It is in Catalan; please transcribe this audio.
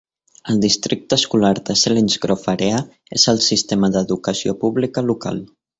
El districte escolar de Selinsgrove Area és el sistema d'educació pública local.